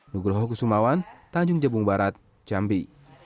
nugroho kusumawan tanjung jabung barat jambi